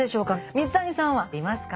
水谷さんはいますか？